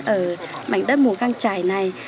ở mảnh đất mù cang trải này